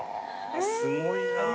すごいなあ。